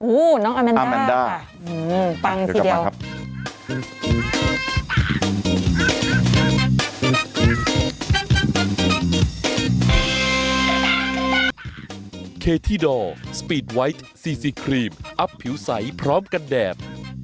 อู๋น้องอาแมนด้าอาแมนด้าอืมปังสีเดียวเดี๋ยวกลับมาครับ